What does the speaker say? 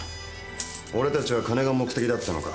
おれたちは金が目的だったのか。